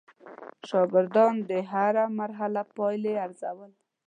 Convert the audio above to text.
شاګردان د هره مرحله پایلې ارزول.